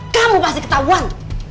kamu pasti ketahuan